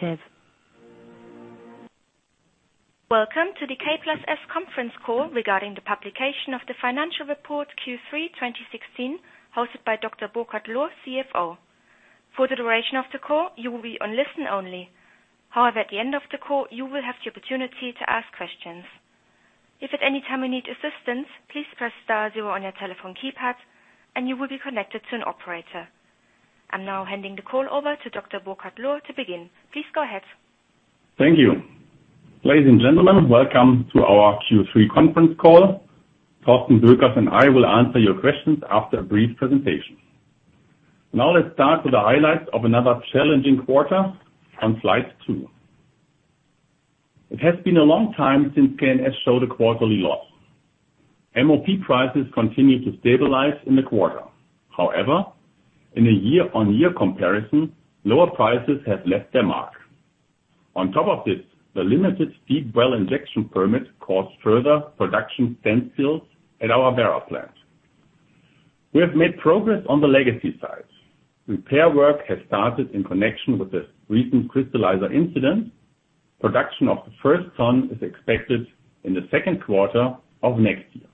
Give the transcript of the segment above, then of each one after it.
Welcome to the K+S conference call regarding the publication of the financial report Q3 2016, hosted by Dr. Burkhard Lohr, CFO. For the duration of the call, you will be on listen only. However, at the end of the call, you will have the opportunity to ask questions. If at any time you need assistance, please press star zero on your telephone keypad and you will be connected to an operator. I am now handing the call over to Dr. Burkhard Lohr to begin. Please go ahead. Thank you. Ladies and gentlemen, welcome to our Q3 conference call. Thorsten Boeckers and I will answer your questions after a brief presentation. Let us start with the highlights of another challenging quarter on slide two. It has been a long time since K+S showed a quarterly loss. MOP prices continued to stabilize in the quarter. However, in a year-on-year comparison, lower prices have left their mark. On top of this, the limited deep well injection permit caused further production standstill at our Werra plant. We have made progress on the Legacy site. Repair work has started in connection with the recent crystallizer incident. Production of the first ton is expected in the second quarter of next year.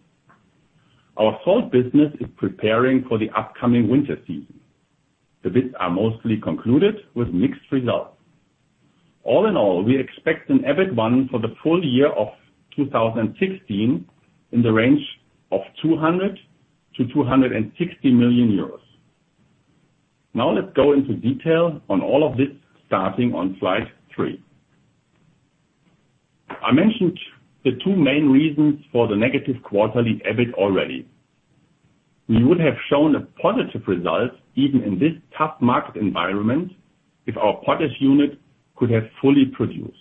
Our salt business is preparing for the upcoming winter season. The bids are mostly concluded with mixed results. All in all, we expect an EBIT I for the full year of 2016 in the range of 200 million to 260 million euros. Let us go into detail on all of this, starting on slide three. I mentioned the two main reasons for the negative quarterly EBIT already. We would have shown a positive result even in this tough market environment if our potash unit could have fully produced.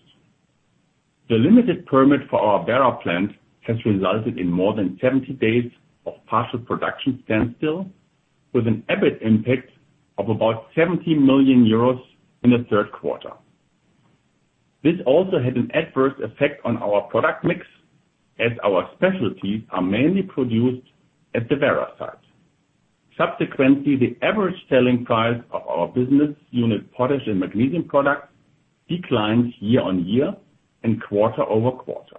The limited permit for our Werra plant has resulted in more than 70 days of partial production standstill with an EBIT impact of about 70 million euros in the third quarter. This also had an adverse effect on our product mix as our specialties are mainly produced at the Werra site. Subsequently, the average selling price of our business unit potash and magnesium products declined year-on-year and quarter-over-quarter.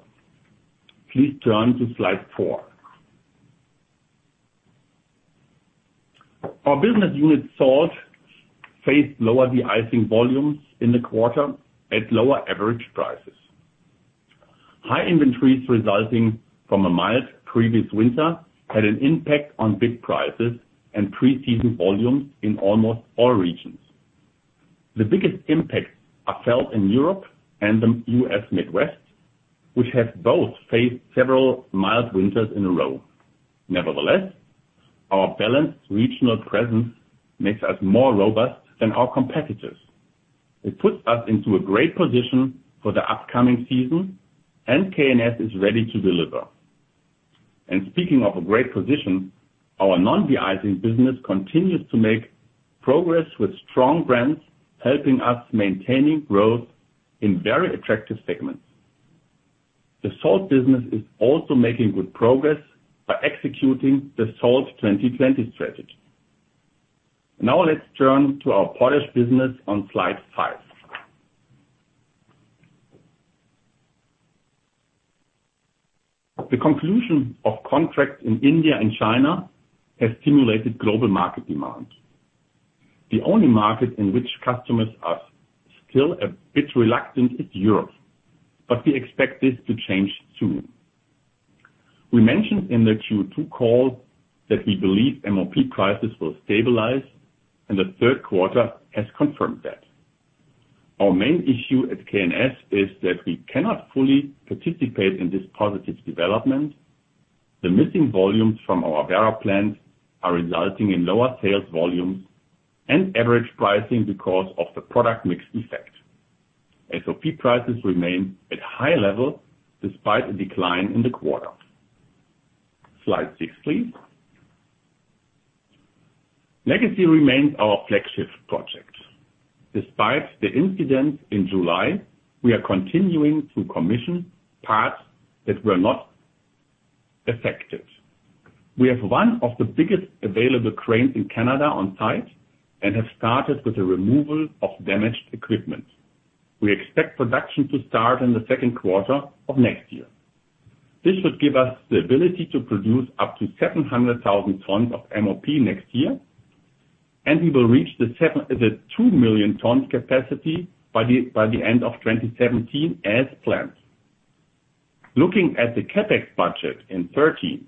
Please turn to slide four. Our business unit salt faced lower deicing volumes in the quarter at lower average prices. High inventories resulting from a mild previous winter had an impact on big prices and pre-season volumes in almost all regions. The biggest impacts are felt in Europe and the U.S. Midwest, which have both faced several mild winters in a row. Nevertheless, our balanced regional presence makes us more robust than our competitors. It puts us into a great position for the upcoming season, K+S is ready to deliver. Speaking of a great position, our non-deicing business continues to make progress with strong brands helping us maintaining growth in very attractive segments. The salt business is also making good progress by executing the SALT 2020 strategy. Let us turn to our potash business on slide five. The conclusion of contracts in India and China has stimulated global market demand. The only market in which customers are still a bit reluctant is Europe. We expect this to change soon. We mentioned in the Q2 call that we believe MOP prices will stabilize, and the third quarter has confirmed that. Our main issue at K+S is that we cannot fully participate in this positive development. The missing volumes from our Werra plant are resulting in lower sales volumes and average pricing because of the product mix effect. SOP prices remain at high level despite a decline in the quarter. Slide six, please. Legacy remains our flagship project. Despite the incident in July, we are continuing to commission parts that were not affected. We have one of the biggest available cranes in Canada on site and have started with the removal of damaged equipment. We expect production to start in the second quarter of next year. This should give us the ability to produce up to 700,000 tons of MOP next year. We will reach the 2 million tons capacity by the end of 2017 as planned. Looking at the CapEx budget in 2013,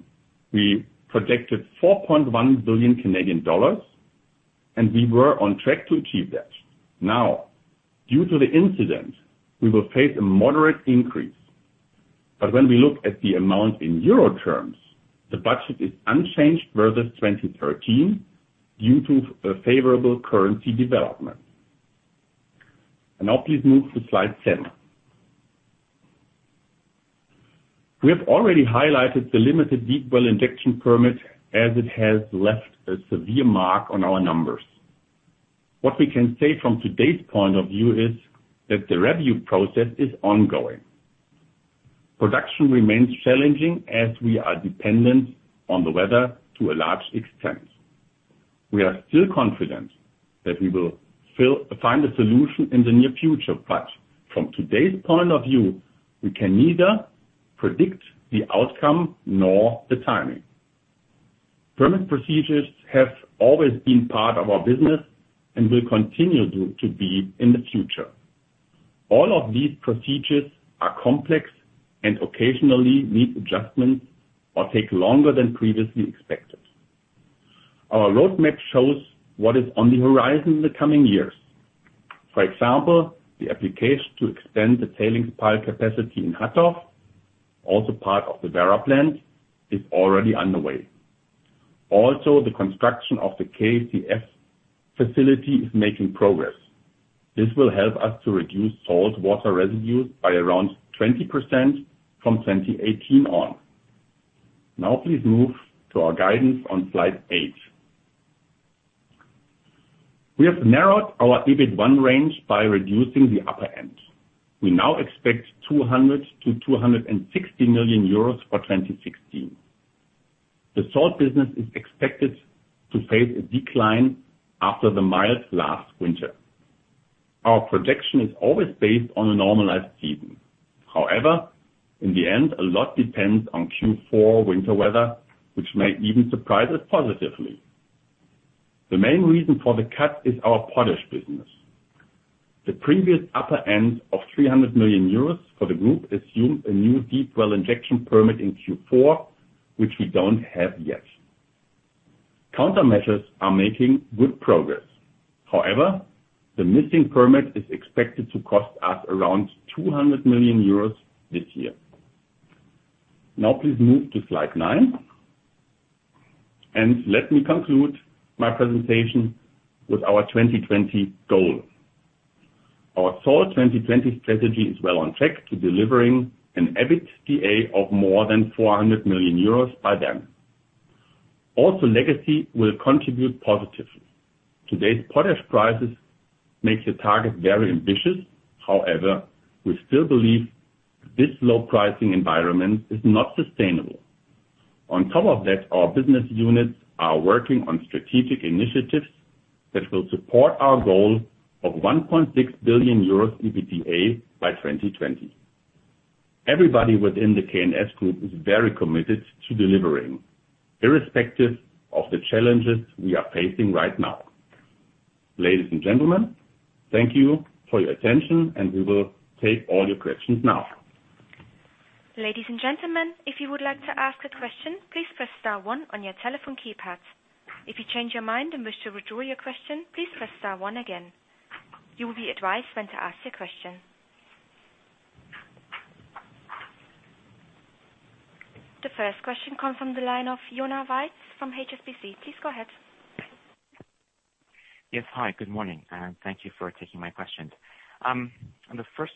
we projected 4.1 billion Canadian dollars. We were on track to achieve that. Due to the incident, we will face a moderate increase. When we look at the amount in EUR terms, the budget is unchanged versus 2013 due to a favorable currency development. Now please move to slide seven. We have already highlighted the limited deep well injection permit as it has left a severe mark on our numbers. What we can say from today's point of view is that the review process is ongoing. Production remains challenging as we are dependent on the weather to a large extent. We are still confident that we will find a solution in the near future. From today's point of view, we can neither predict the outcome nor the timing. Permit procedures have always been part of our business and will continue to be in the future. All of these procedures are complex and occasionally need adjustments or take longer than previously expected. Our roadmap shows what is on the horizon in the coming years. For example, the application to extend the tailings pile capacity in Hattorf, also part of the Werra plant, is already underway. The construction of the KCF facility is making progress. This will help us to reduce saline wastewater by around 20% from 2018 on. Now please move to our guidance on slide eight. We have narrowed our EBIT I range by reducing the upper end. We now expect 200 million-260 million euros for 2016. The salt business is expected to face a decline after the mild last winter. Our projection is always based on a normalized season. In the end, a lot depends on Q4 winter weather, which may even surprise us positively. The main reason for the cut is our potash business. The previous upper end of 300 million euros for the group assumed a new deep well injection permit in Q4, which we don't have yet. Countermeasures are making good progress. The missing permit is expected to cost us around 200 million euros this year. Now please move to slide nine. Let me conclude my presentation with our 2020 goal. Our SALT 2020 strategy is well on track to delivering an EBITDA of more than 400 million euros by then. Legacy will contribute positively. Today's potash prices makes the target very ambitious. However, we still believe this low pricing environment is not sustainable. On top of that, our business units are working on strategic initiatives that will support our goal of 1.6 billion euros EBITDA by 2020. Everybody within the K+S group is very committed to delivering, irrespective of the challenges we are facing right now. Ladies and gentlemen, thank you for your attention, and we will take all your questions now. Ladies and gentlemen, if you would like to ask a question, please press star one on your telephone keypad. If you change your mind and wish to withdraw your question, please press star one again. You will be advised when to ask your question. The first question comes from the line of Jonah Weiss from HSBC. Please go ahead. Yes, hi. Good morning, and thank you for taking my questions. The first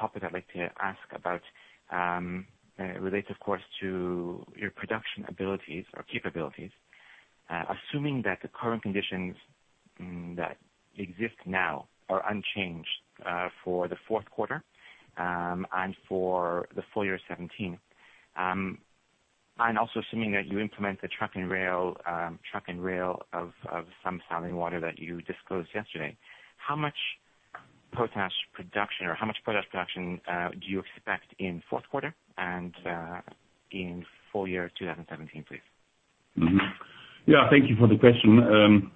topic I'd like to ask about, relates, of course, to your production abilities or capabilities. Assuming that the current conditions that exist now are unchanged for the fourth quarter, and for the full year 2017, and also assuming that you implement the truck and rail of some saline water that you disclosed yesterday, how much potash production or how much product production do you expect in fourth quarter, and in full year 2017, please? Thank you for the question.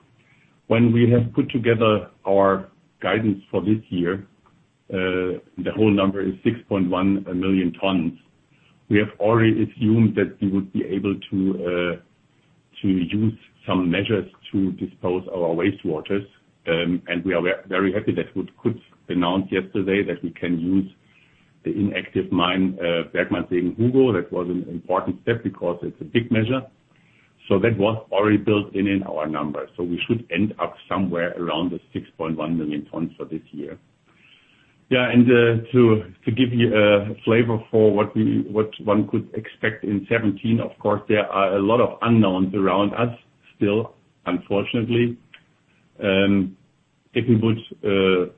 When we have put together our guidance for this year, the whole number is 6.1 million tons. We have already assumed that we would be able to use some measures to dispose our wastewaters, and we are very happy that we could announce yesterday that we can use the inactive mine, Bergmannssegen-Hugo. That was an important step because it's a big measure. That was already built in in our numbers. We should end up somewhere around the 6.1 million tons for this year. To give you a flavor for what one could expect in 2017, of course, there are a lot of unknowns around us still, unfortunately. If we would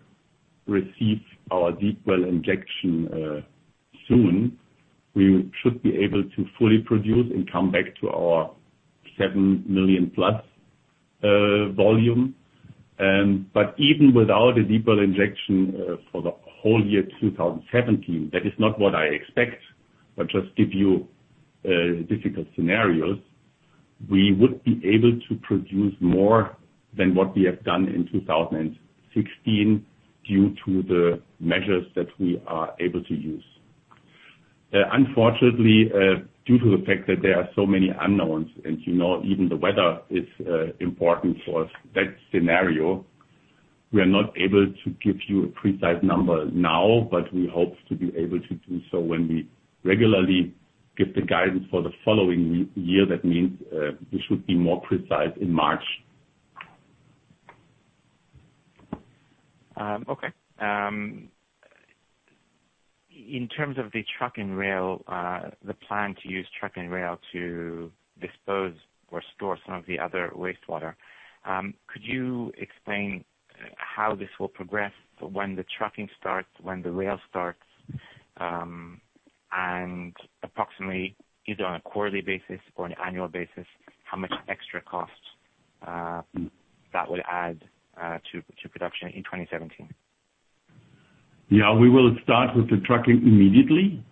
receive our deep well injection soon, we should be able to fully produce and come back to our seven million-plus volume. Even without a deep well injection for the whole year 2017, that is not what I expect, but just give you difficult scenarios, we would be able to produce more than what we have done in 2016 due to the measures that we are able to use. Unfortunately, due to the fact that there are so many unknowns, and even the weather is important for that scenario, we are not able to give you a precise number now, but we hope to be able to do so when we regularly give the guidance for the following year. That means we should be more precise in March. Okay. In terms of the truck and rail, the plan to use truck and rail to dispose or store some of the other wastewater, could you explain how this will progress, when the trucking starts, and when the rail starts? Approximately, either on a quarterly basis or on an annual basis, how much extra cost that will add to production in 2017? Yeah. We will start with the trucking immediately.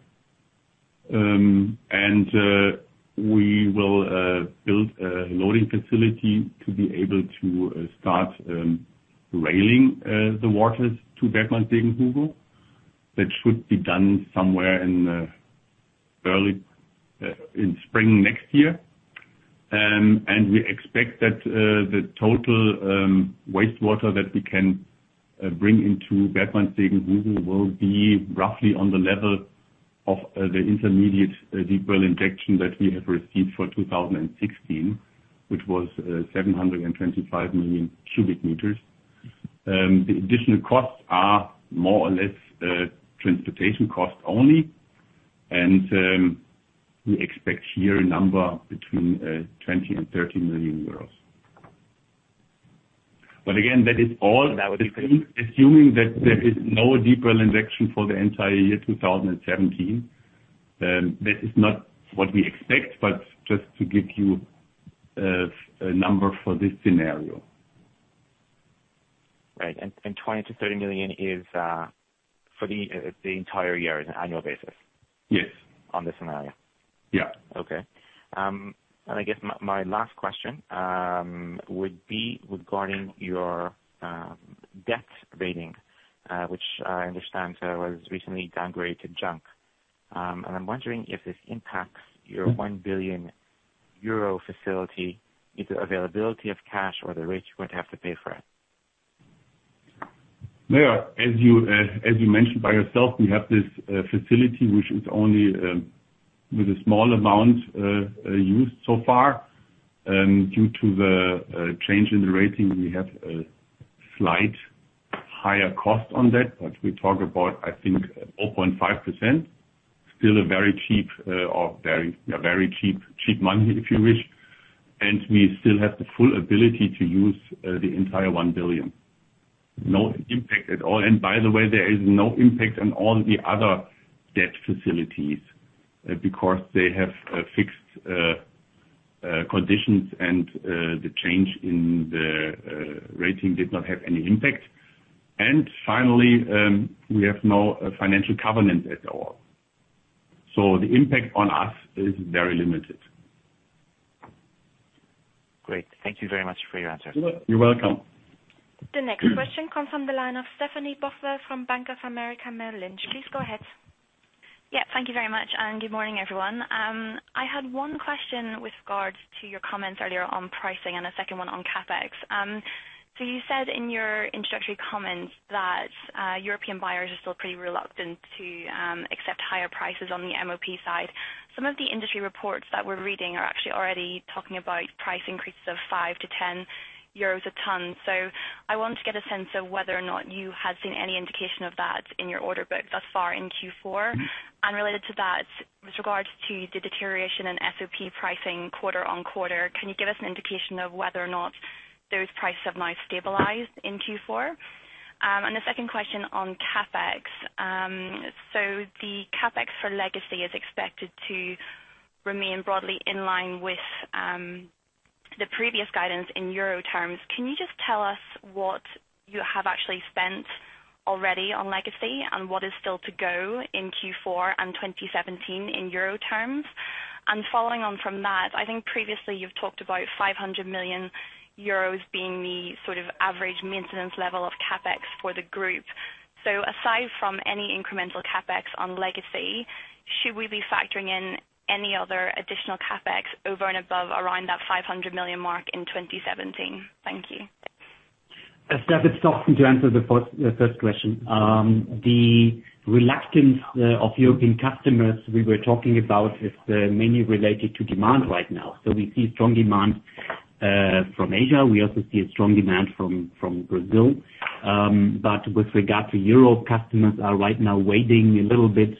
We will build a loading facility to be able to start railing the waters to Bergmannssegen-Hugo. That should be done somewhere in spring next year. We expect that the total wastewater that we can bring into Bergmannssegen-Hugo will be roughly on the level of the intermediate deep well injection that we have received for 2016, which was 725 million cubic meters. The additional costs are more or less transportation costs only. We expect here a number between 20 million and 30 million euros. Again, that is all. That would be- assuming that there is no deep well injection for the entire year 2017. This is not what we expect, but just to give you a number for this scenario. Right. 20 million-30 million is for the entire year, as in annual basis? Yes. On this scenario? Yeah. Okay. I guess my last question would be regarding your debt ratings, which I understand was recently downgraded to junk. I'm wondering if this impacts your 1 billion euro facility, either availability of cash or the rates you would have to pay for it. Mayer, as you mentioned by yourself, we have this facility, which is only with a small amount used so far. Due to the change in the rating, we have a slight higher cost on that. We talk about, I think, 0.5%. Still a very cheap money, if you wish. We still have the full ability to use the entire 1 billion. No impact at all. By the way, there is no impact on all the other debt facilities because they have fixed conditions and the change in the rating did not have any impact. Finally, we have no financial covenant at all. The impact on us is very limited. Great. Thank you very much for your answer. You're welcome. The next question comes from the line of Stephanie Boffa from Bank of America Merrill Lynch. Please go ahead. Yeah. Thank you very much, and good morning, everyone. I had one question with regard to your comments earlier on pricing and a second one on CapEx. You said in your introductory comments that European buyers are still pretty reluctant to accept higher prices on the MOP side. Some of the industry reports that we're reading are actually already talking about price increases of 5-10 euros a ton. I want to get a sense of whether or not you have seen any indication of that in your order book thus far in Q4. Related to that, with regards to the deterioration in SOP pricing quarter-on-quarter, can you give us an indication of whether or not those prices have now stabilized in Q4? A second question on CapEx. The CapEx for Legacy is expected to remain broadly in line with the previous guidance in EUR terms. Can you just tell us what you have actually spent already on Legacy and what is still to go in Q4 and 2017 in EUR terms? Following on from that, I think previously you've talked about 500 million euros being the average maintenance level of CapEx for the group. Aside from any incremental CapEx on Legacy, should we be factoring in any other additional CapEx over and above around that 500 million mark in 2017? Thank you. Stephanie, it's Thorsten to answer the first question. The reluctance of European customers we were talking about is mainly related to demand right now. We see strong demand from Asia. We also see a strong demand from Brazil. With regard to Europe, customers are right now waiting a little bit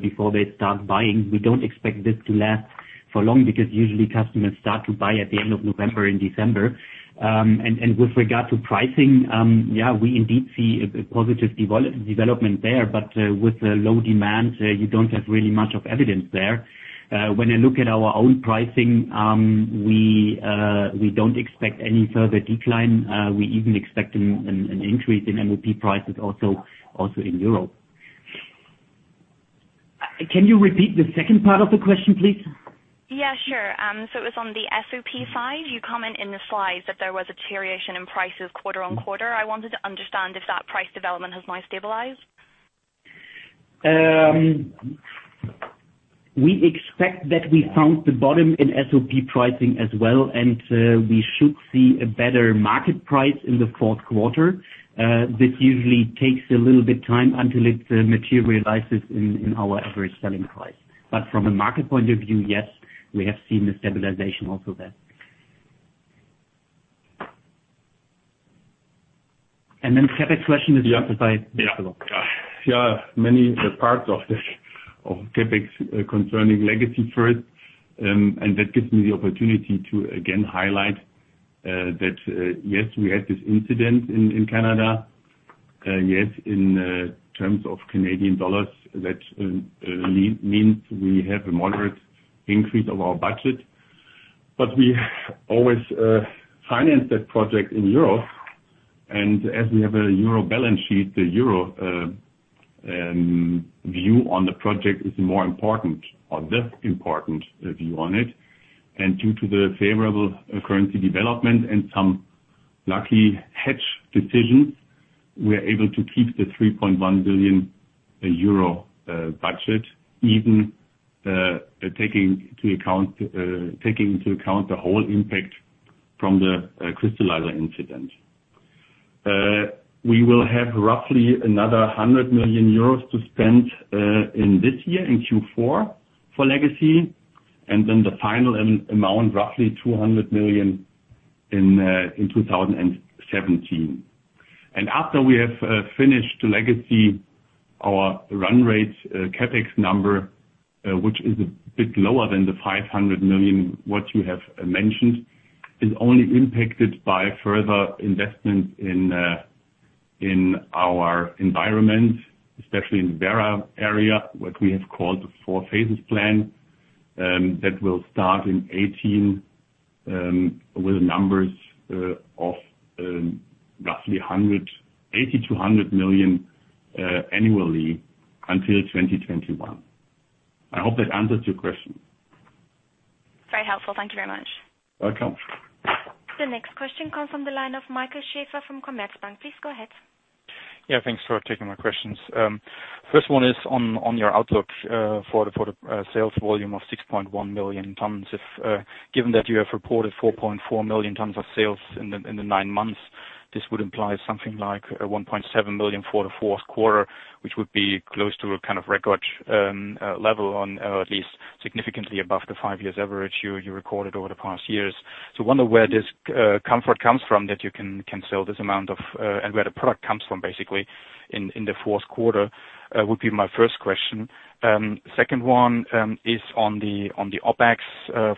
before they start buying. We don't expect this to last for long, because usually customers start to buy at the end of November and December. With regard to pricing, yeah, we indeed see a positive development there, but with the low demand, you don't have really much of evidence there. When I look at our own pricing, we don't expect any further decline. We even expect an increase in MOP prices also in Europe. Can you repeat the second part of the question, please? Yeah, sure. It was on the SOP side. You comment in the slides that there was a deterioration in prices quarter-on-quarter. I wanted to understand if that price development has now stabilized. We expect that we found the bottom in SOP pricing as well, and we should see a better market price in the fourth quarter. This usually takes a little bit time until it materializes in our average selling price. From a market point of view, yes, we have seen the stabilization also there. The CapEx question is answered by Burkhard. Yeah. Many parts of CapEx concerning Legacy first, and that gives me the opportunity to again highlight That, yes, we had this incident in Canada. Yes, in terms of Canadian dollars, that means we have a moderate increase of our budget, but we always finance that project in Europe. As we have a Euro balance sheet, the Euro view on the project is more important or the important view on it. Due to the favorable currency development and some lucky hedge decisions, we are able to keep the 3.1 billion euro budget, even taking into account the whole impact from the crystallizer incident. We will have roughly another 100 million euros to spend in this year, in Q4, for Legacy. The final amount, roughly 200 million in 2017. After we have finished Legacy, our run rate CapEx number, which is a bit lower than the 500 million, what you have mentioned, is only impacted by further investments in our environment, especially in the Werra area, what we have called the Four Phases Plan, that will start in 2018, with numbers of roughly 80 million-100 million annually until 2021. I hope that answers your question. Very helpful. Thank you very much. Welcome. The next question comes from the line of Michael Schaefer from Commerzbank. Please go ahead. Thanks for taking my questions. First one is on your outlook for the sales volume of 6.1 million tons, given that you have reported 4.4 million tons of sales in the nine months, this would imply something like 1.7 million for the fourth quarter, which would be close to a kind of record level, or at least significantly above the five years average you recorded over the past years. I wonder where this comfort comes from that you can sell this amount of where the product comes from, basically, in the fourth quarter, would be my first question. Second one is on the OpEx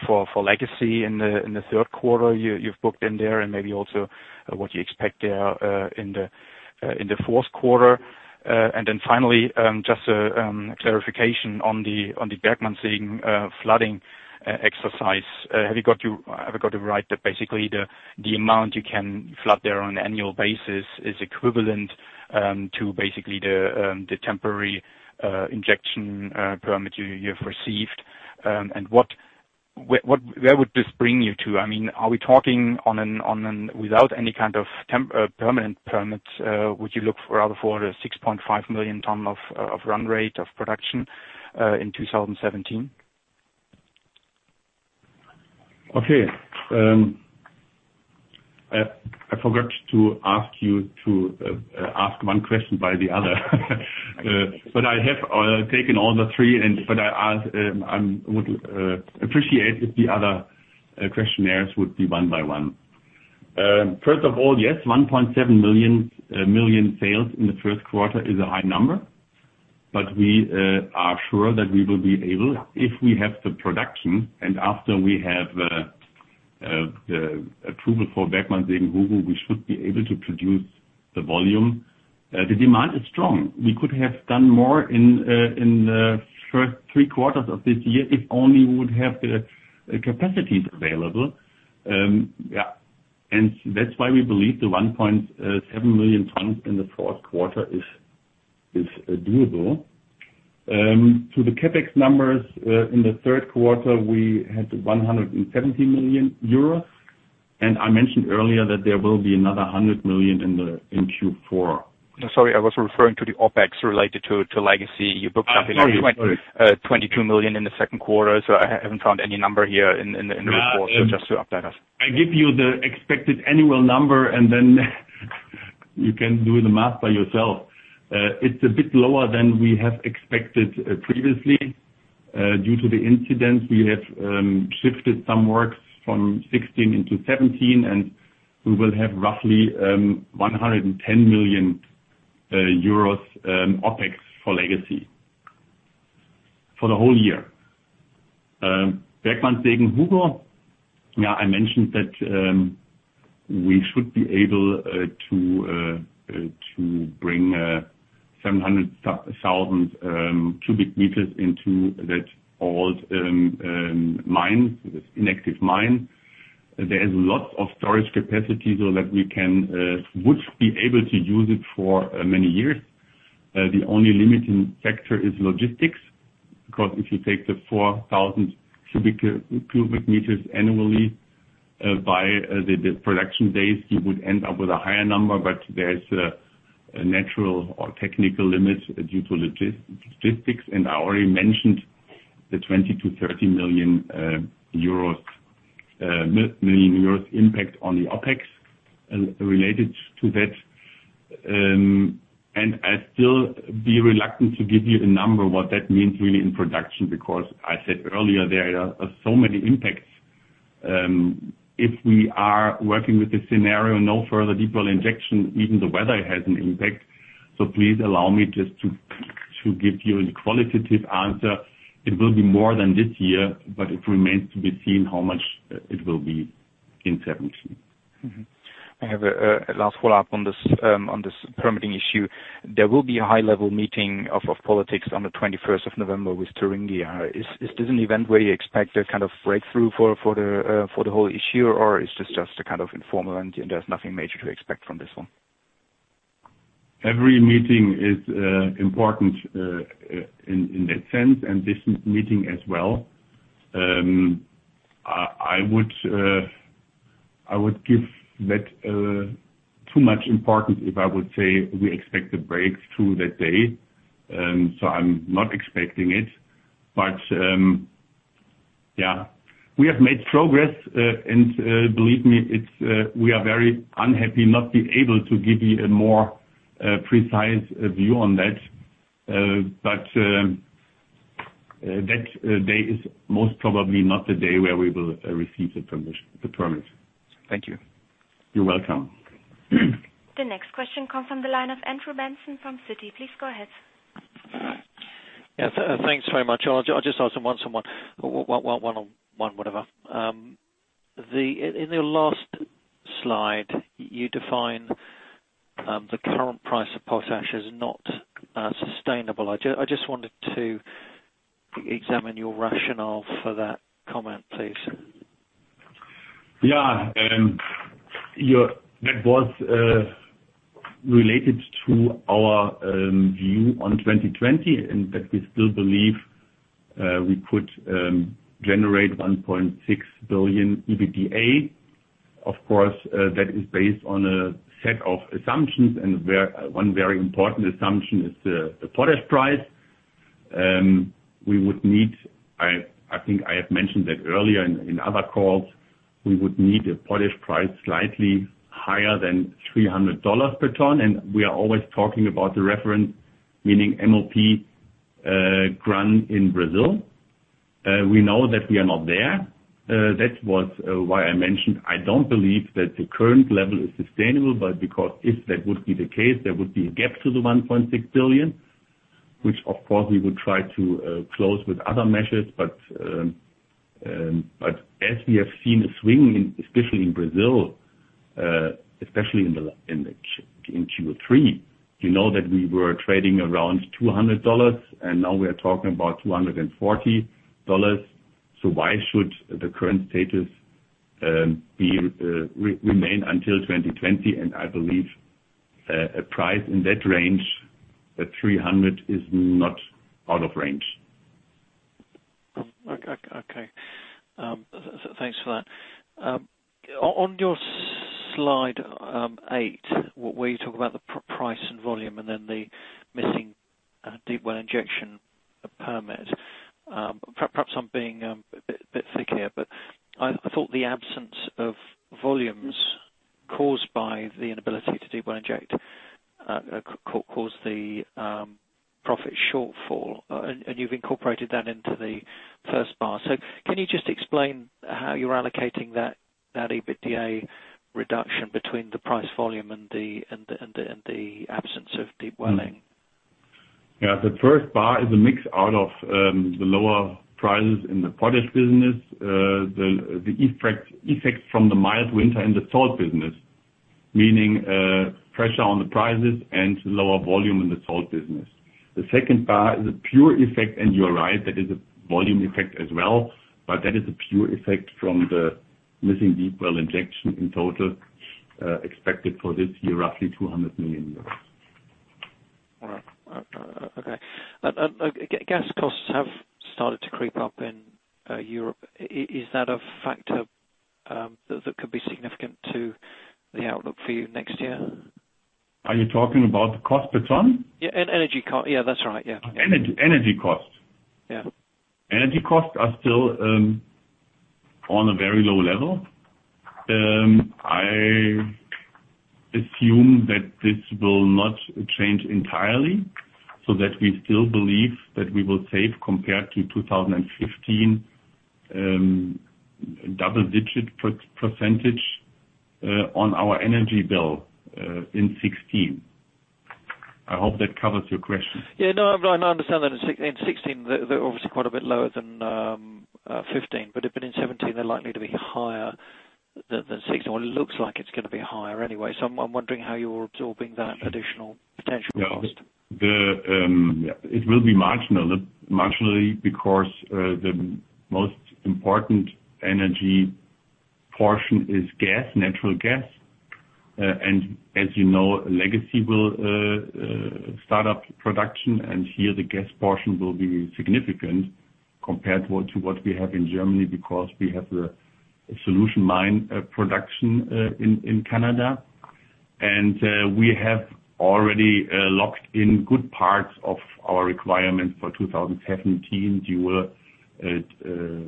for Legacy in the third quarter you've booked in there, and maybe also what you expect there in the fourth quarter. Finally, just a clarification on the Bergmannssegen flooding exercise. Have I got it right that basically the amount you can flood there on an annual basis is equivalent to basically the temporary injection permit you have received? Where would this bring you to? Are we talking without any kind of permanent permits, would you look rather for a 6.5 million ton of run rate of production in 2017? Okay. I forgot to ask you to ask one question by the other. I have taken all the three, but I would appreciate if the other questionnaires would be one by one. First of all, yes, 1.7 million sales in the first quarter is a high number, but we are sure that we will be able, if we have the production, and after we have the approval for Bergmannssegen-Hugo, we should be able to produce the volume. The demand is strong. We could have done more in the first three quarters of this year if only we would have the capacities available. That's why we believe the 1.7 million tons in the fourth quarter is doable. To the CapEx numbers, in the third quarter, we had 170 million euros. I mentioned earlier that there will be another 100 million in Q4. Sorry, I was referring to the OpEx related to Legacy. You booked something Oh, sorry like 22 million in the second quarter, I haven't found any number here in the report. Just to update us. I give you the expected annual number. Then you can do the math by yourself. It's a bit lower than we have expected previously. Due to the incident, we have shifted some works from 2016 into 2017. We will have roughly 110 million euros OpEx for Legacy for the whole year. Bergmannssegen and Hugo, I mentioned that we should be able to bring 700,000 cubic meters into that old mine, this inactive mine. There is lots of storage capacity so that we would be able to use it for many years. The only limiting factor is logistics, because if you take the 4,000 cubic meters annually by the production days, you would end up with a higher number, but there is a natural or technical limit due to logistics. I already mentioned the 20 million-30 million euros impact on the OpEx related to that. I'd still be reluctant to give you a number what that means really in production, because I said earlier, there are so many impacts. If we are working with the scenario, no further deep well injection, even the weather has an impact. Please allow me to give you a qualitative answer, it will be more than this year, but it remains to be seen how much it will be in 2017. I have a last follow-up on this permitting issue. There will be a high-level meeting of politics on the 21st of November with Thuringia. Is this an event where you expect a kind of breakthrough for the whole issue, or is this just a kind of informal and there's nothing major to expect from this one? Every meeting is important in that sense and this meeting as well. I would give that too much importance if I would say we expect a breakthrough that day. I'm not expecting it. We have made progress, and believe me, we are very unhappy not being able to give you a more precise view on that. That day is most probably not the day where we will receive the permit. Thank you. You're welcome. The next question comes from the line of Andrew Benson from Citi. Please go ahead. Yeah. Thanks very much. I'll just ask them one. In the last slide, you define the current price of potash is not sustainable. I just wanted to examine your rationale for that comment, please. Yeah. That was related to our view on 2020, and that we still believe we could generate 1.6 billion EBITDA. Of course, that is based on a set of assumptions, and one very important assumption is the potash price. I think I have mentioned that earlier in other calls, we would need a potash price slightly higher than EUR 300 per ton, and we are always talking about the reference meaning MOP granular in Brazil. We know that we are not there. That was why I mentioned, I don't believe that the current level is sustainable, because if that would be the case, there would be a gap to the 1.6 billion, which of course, we would try to close with other measures. As we have seen a swing, especially in Brazil, especially in Q3, you know that we were trading around EUR 200, and now we are talking about EUR 240. Why should the current status remain until 2020? I believe a price in that range at 300 is not out of range. Okay. Thanks for that. On your slide eight, where you talk about the price and volume and then the missing deep well injection permit. Perhaps I'm being a bit thick here, but I thought the absence of volumes caused by the inability to deep well inject caused the profit shortfall, and you've incorporated that into the first bar. Can you just explain how you're allocating that EBITDA reduction between the price volume and the absence of deep welling? Yeah. The first bar is a mix out of the lower prices in the potash business. The effect from the mild winter in the salt business, meaning pressure on the prices and lower volume in the salt business. The second bar is a pure effect, and you're right, that is a volume effect as well, but that is a pure effect from the missing deep well injection in total, expected for this year, roughly 200 million euros. Okay. Gas costs have started to creep up in Europe. Is that a factor that could be significant to the outlook for you next year? Are you talking about the cost per ton? Yeah, energy cost. Yeah, that's right. Energy cost. Yeah. Energy costs are still on a very low level. I assume that this will not change entirely, so that we still believe that we will save compared to 2015, double-digit percentage on our energy bill in 2016. I hope that covers your question. Yeah. No, I understand that. In 2016, they're obviously quite a bit lower than 2015. If they're in 2017, they're likely to be higher than 2016, or it looks like it's going to be higher anyway. I'm wondering how you're absorbing that additional potential cost. It will be marginal, because the most important energy portion is natural gas. As you know, Legacy will start up production. Here the gas portion will be significant compared to what we have in Germany, because we have a solution mine production in Canada. We have already locked in good parts of our requirement for 2017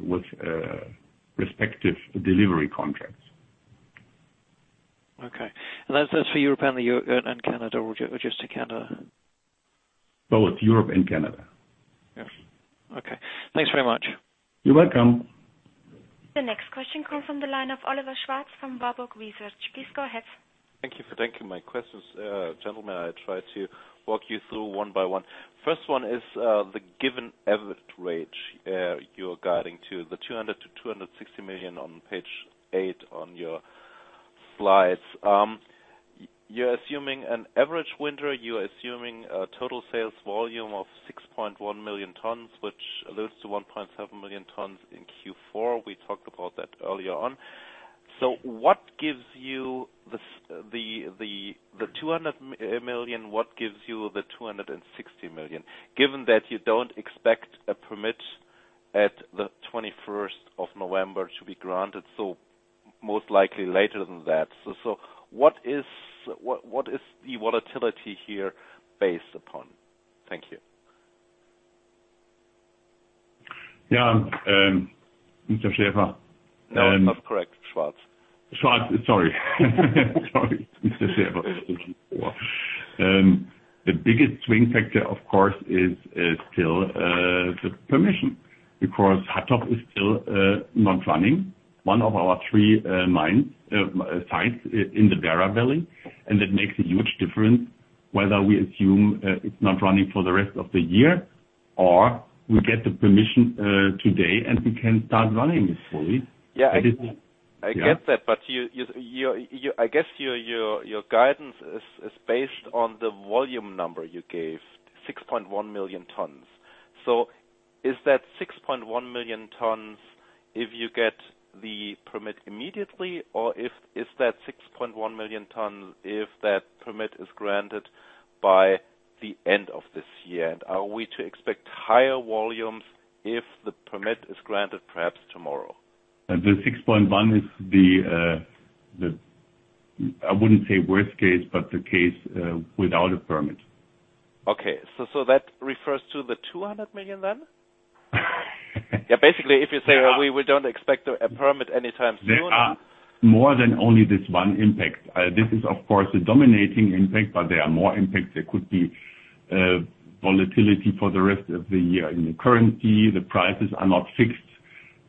with respective delivery contracts. Okay. That's for Europe and Canada, or just Canada? Both Europe and Canada. Thanks very much. You're welcome. The next question comes from the line of Oliver Schwarz from Warburg Research. Please go ahead. Thank you. My questions, gentlemen, I try to walk you through one by one. First one is, the given average rate you're guiding to, the 200 million-260 million on page eight on your slides. You're assuming an average winter, you're assuming a total sales volume of 6.1 million tons, which alludes to 1.7 million tons in Q4. We talked about that earlier on. What gives you the 200 million, what gives you the 260 million, given that you don't expect a permit at the 21st of November to be granted, so most likely later than that. What is the volatility here based upon? Thank you. Yeah. Mr. Schaefer- No, that's correct. Schwarz. Schwarz. Sorry. Mr. Schaefer before. The biggest swing factor, of course, is still the permission because Hattorf is still not running, one of our three sites in the Werra Valley, and it makes a huge difference whether we assume it's not running for the rest of the year, or we get the permission today, and we can start running it fully. I get that. I guess your guidance is based on the volume number you gave, 6.1 million tons. Is that 6.1 million tons if you get the permit immediately, or is that 6.1 million tons if that permit is granted by the end of this year? Are we to expect higher volumes if the permit is granted perhaps tomorrow? The 6.1 is the, I wouldn't say worst case, but the case without a permit. Okay. That refers to the 200 million then? Yeah, basically, if you say, "We don't expect a permit anytime soon. There are more than only this one impact. This is of course a dominating impact, but there are more impacts. There could be volatility for the rest of the year in the currency, the prices are not fixed,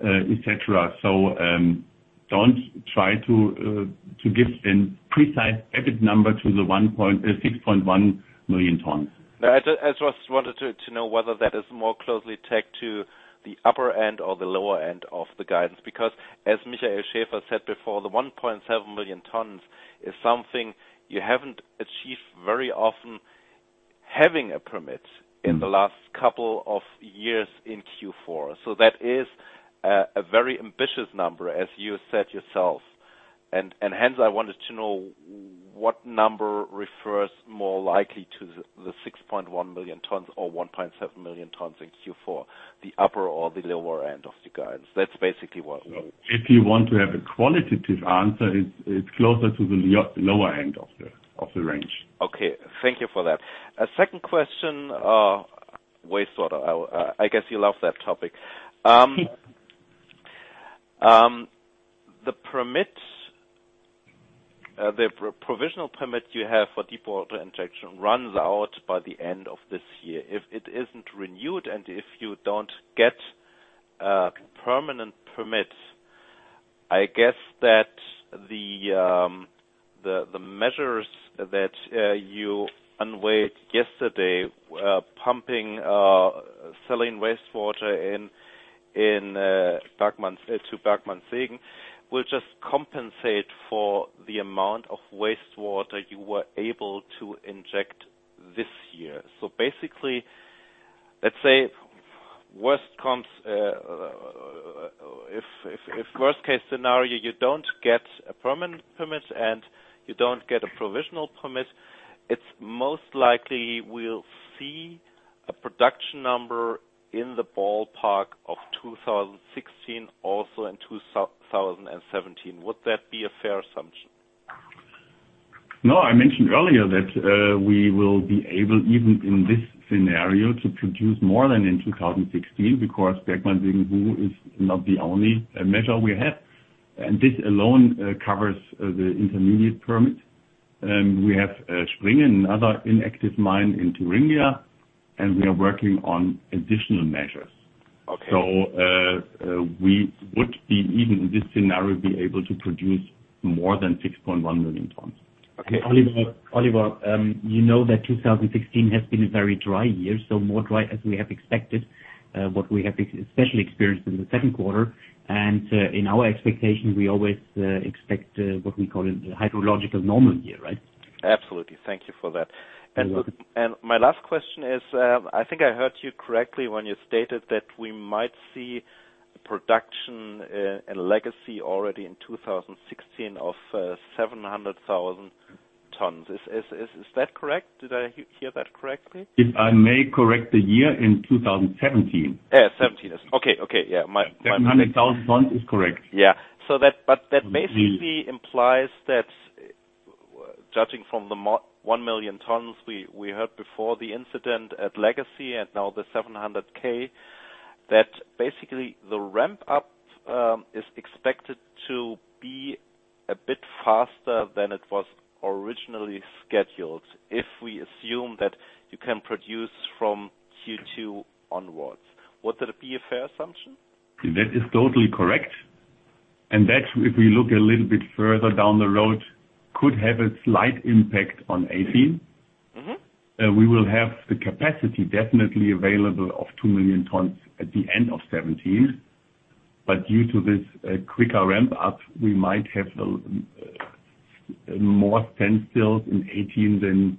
et cetera. Don't try to give a precise EBIT number to the 6.1 million tons. No, I just wanted to know whether that is more closely tagged to the upper end or the lower end of the guidance, because as Michael Schaefer said before, the 1.7 million tons is something you haven't achieved very often having a permit in the last couple of years in Q4. That is a very ambitious number, as you said yourself. Hence, I wanted to know what number refers more likely to the 6.1 million tons or 1.7 million tons in Q4, the upper or the lower end of the guidance. That's basically what. If you want to have a qualitative answer, it's closer to the lower end of the range. Okay. Thank you for that. A second question, wastewater. I guess you love that topic. The provisional permit you have for deep well water injection runs out by the end of this year. If it isn't renewed and if you don't get permanent permits, I guess that the measures that you unveiled yesterday, pumping saline wastewater to Bergmannssegen, will just compensate for the amount of wastewater you were able to inject this year. Basically, let's say if worst case scenario, you don't get a permanent permit and you don't get a provisional permit, it's most likely we'll see a production number in the ballpark of 2016 also in 2017. Would that be a fair assumption? No. I mentioned earlier that we will be able, even in this scenario, to produce more than in 2016 because Bergmannssegen is not the only measure we have. This alone covers the intermediate permit. We have Springen, another inactive mine in Thuringia, and we are working on additional measures. Okay. We would be, even in this scenario, be able to produce more than 6.1 million tons. Okay. Oliver, you know that 2016 has been a very dry year, more dry as we have expected, what we have especially experienced in the second quarter. In our expectation, we always expect what we call a hydrological normal year, right? Absolutely. Thank you for that. You're welcome. My last question is, I think I heard you correctly when you stated that we might see production in Legacy already in 2016 of 700,000 tons. Is that correct? Did I hear that correctly? If I may correct the year, in 2017. Yeah, 2017. Okay. Yeah. 700,000 tons is correct. That basically implies that judging from the 1 million tons we heard before the incident at Legacy and now the 700K, that basically the ramp up is expected to be a bit faster than it was originally scheduled. If we assume that you can produce from Q2 onwards. Would that be a fair assumption? That is totally correct. That, if we look a little bit further down the road, could have a slight impact on 2018. We will have the capacity definitely available of 2 million tons at the end of 2017. Due to this quicker ramp up, we might have more standstills in 2018 than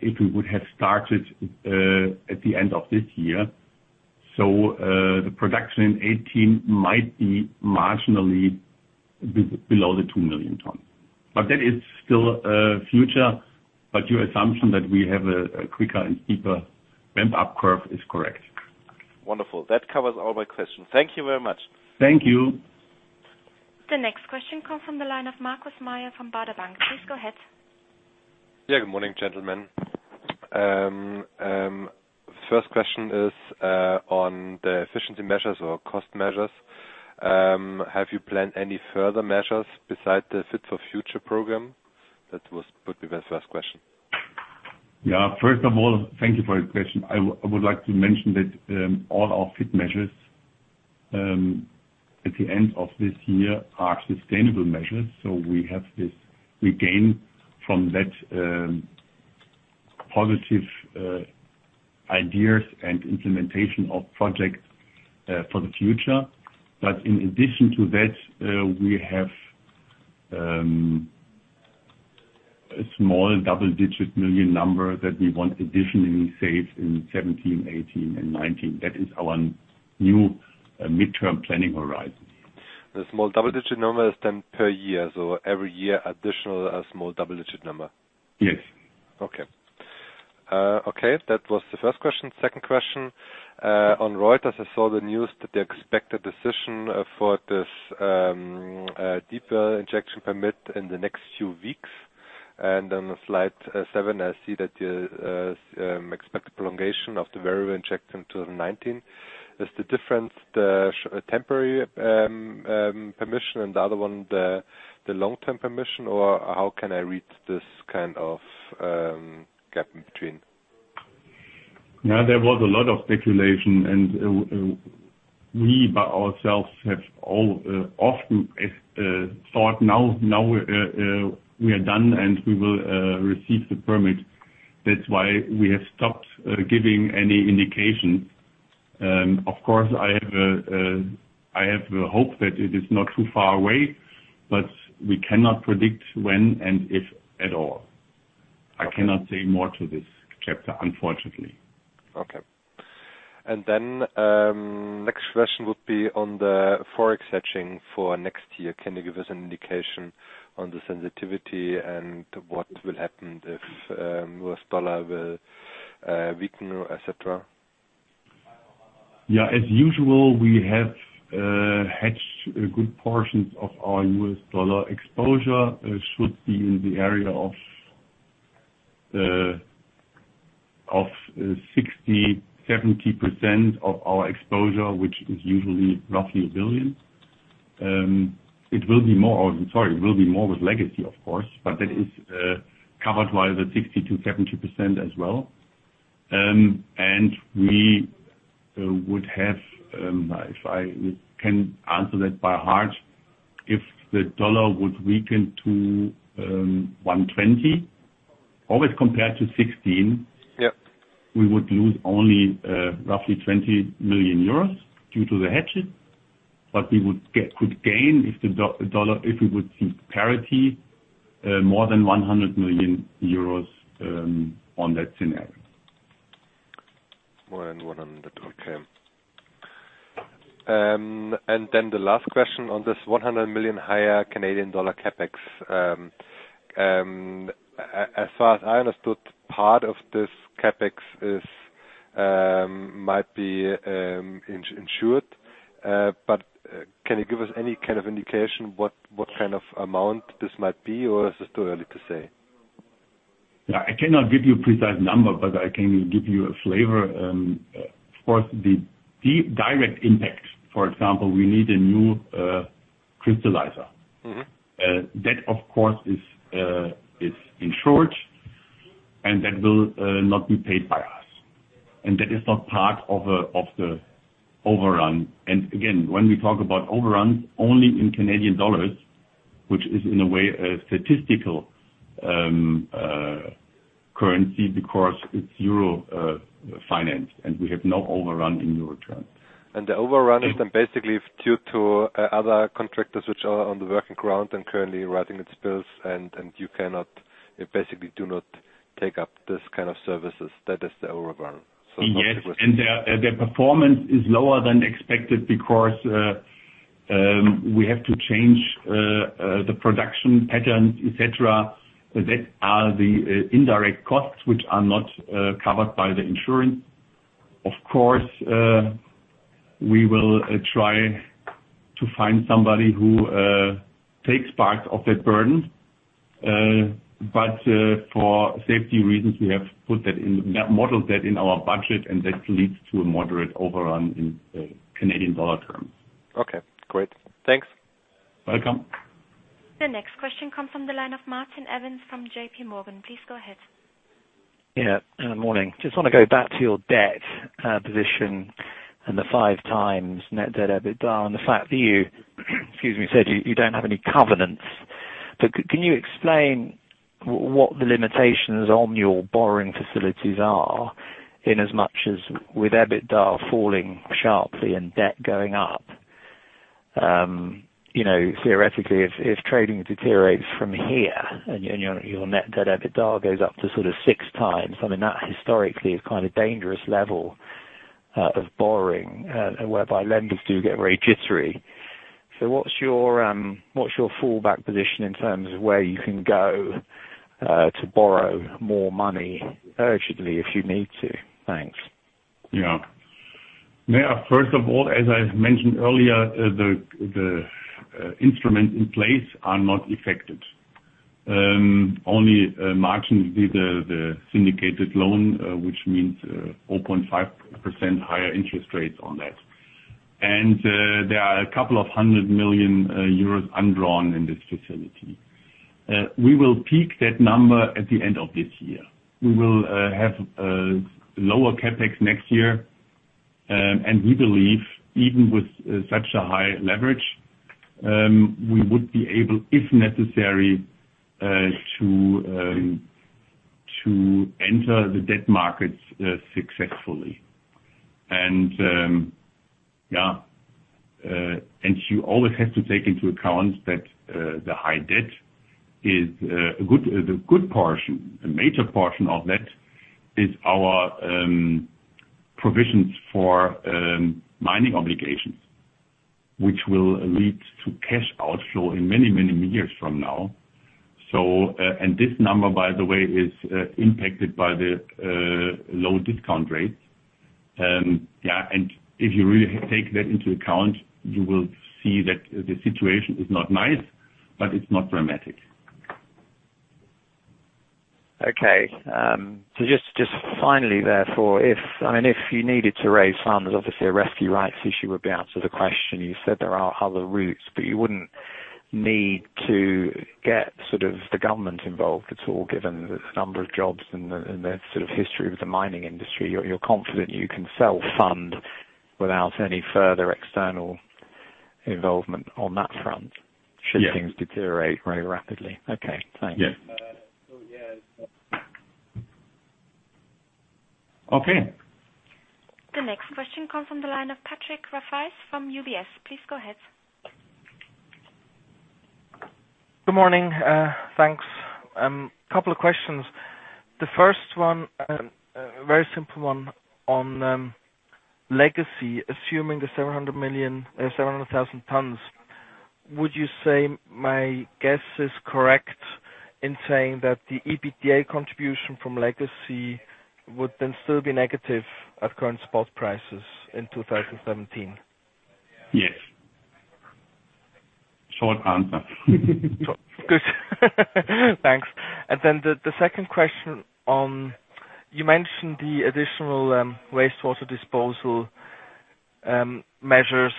if we would have started at the end of this year. The production in 2018 might be marginaally below the 2 million tons. That is still future. Your assumption that we have a quicker and steeper ramp-up curve is correct. Wonderful. That covers all my questions. Thank you very much. Thank you. The next question comes from the line of Markus Mayer from Baader Bank. Please go ahead. Yeah, good morning, gentlemen. First question is on the efficiency measures or cost measures. Have you planned any further measures besides the Fit for the Future program? That would be my first question. Yeah. First of all, thank you for your question. I would like to mention that all our fit measures at the end of this year are sustainable measures. We have this regain from that positive ideas and implementation of projects for the future. In addition to that, we have a small double-digit million number that we want additionally saved in 2017, 2018 and 2019. That is our new midterm planning horizon. The small double-digit number is per year, every year, additional small double-digit number? Yes. Okay. That was the first question. Second question. On Reuters, I saw the news that they expect a decision for this deeper injection permit in the next few weeks. On slide seven, I see that you expect a prolongation of the deep well injection 2019. Is the difference the temporary permission and the other one, the long-term permission, or how can I read this kind of gap in between? No, there was a lot of speculation, we by ourselves have often thought, now we are done, we will receive the permit. That's why we have stopped giving any indication. Of course, I have hope that it is not too far away, we cannot predict when and if at all. I cannot say more to this chapter, unfortunately. Okay. Next question would be on the forex hedging for next year. Can you give us an indication on the sensitivity and what will happen if U.S. dollar will weaken, et cetera? Yeah. As usual, we have hedged a good portion of our US dollar exposure. It should be in the area of 60%-70% of our exposure, which is usually roughly 1 billion. It will be more with Legacy, of course, but that is covered by the 60%-70% as well. We would have, if I can answer that by heart, if the dollar would weaken to 120, always compared to '16. Yep We would lose only roughly 20 million euros due to the hedges. We could gain, if we would see parity, more than 100 million euros on that scenario. More than 100 million, okay. Then the last question on this 100 million higher Canadian dollar CapEx. As far as I understood, part of this CapEx might be insured. Can you give us any kind of indication what kind of amount this might be, or is it too early to say? I cannot give you a precise number, but I can give you a flavor. Of course, the direct impact, for example, we need a new crystallizer. That, of course, is insured and that will not be paid by us. That is not part of the overrun. Again, when we talk about overruns, only in CAD, which is in a way a statistical currency because it is EUR-financed and we have no overrun in EUR terms. The overrun is then basically due to other contractors which are on the working ground and currently writing its bills and you basically do not take up this kind of services. That is the overrun. Yes. Their performance is lower than expected because we have to change the production patterns, et cetera. That are the indirect costs which are not covered by the insurance. Of course, we will try to find somebody who takes part of that burden. For safety reasons, we have modeled that in our budget, and that leads to a moderate overrun in CAD terms. Okay, great. Thanks. Welcome. The next question comes from the line of Martin Evans from JPMorgan. Please go ahead. Yeah. Morning. Just want to go back to your debt position and the 5 times net debt EBITDA and the fact you said you don't have any covenants. Can you explain what the limitations on your borrowing facilities are, in as much as with EBITDA falling sharply and debt going up? Theoretically, if trading deteriorates from here and your net debt EBITDA goes up to 6 times, that historically is kind of dangerous level of borrowing, whereby lenders do get very jittery. What's your fallback position in terms of where you can go to borrow more money urgently if you need to? Thanks. Yeah. First of all, as I mentioned earlier, the instrument in place are not affected. Only margin with the syndicated loan, which means 4.5% higher interest rates on that. There are a couple of hundred million EUR undrawn in this facility. We will peak that number at the end of this year. We will have lower CapEx next year, and we believe even with such a high leverage, we would be able, if necessary, to enter the debt markets successfully. You always have to take into account that the high debt, the good portion, a major portion of that, is our provisions for mining obligations, which will lead to cash outflow in many, many years from now. This number, by the way, is impacted by the low discount rates. If you really take that into account, you will see that the situation is not nice, but it's not dramatic. Just finally therefore, if you needed to raise funds, obviously a rescue rights issue would be out of the question. You said there are other routes. You wouldn't need to get the government involved at all, given the number of jobs and the history of the mining industry. You're confident you can self-fund without any further external involvement on that front? Yeah Should things deteriorate very rapidly? Okay, thanks. Yes. Okay. The next question comes from the line of Patrick Rafaisz from UBS. Please go ahead. Good morning. Thanks. Couple of questions. The first one, very simple one on Legacy, assuming the 700,000 tons. Would you say my guess is correct in saying that the EBITDA contribution from Legacy would then still be negative at current spot prices in 2017? Yes. Short answer. Good. Thanks. The second question. You mentioned the additional wastewater disposal measures.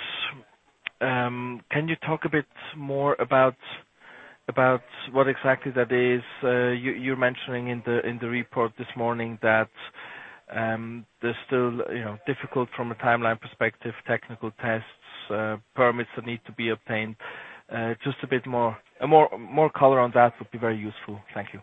Can you talk a bit more about what exactly that is? You're mentioning in the report this morning that there's still difficult from a timeline perspective, technical tests, permits that need to be obtained. Just a more color on that would be very useful. Thank you.